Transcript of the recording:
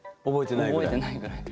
覚えてないぐらい？